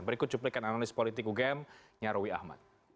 berikut cuplikan analis politik ugemnya rowi ahmad